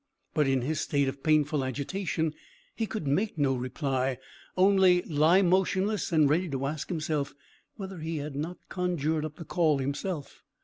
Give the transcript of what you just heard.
But in his state of painful agitation he could make no reply, only lie motionless and ready to ask himself whether he had not conjured up the call himself.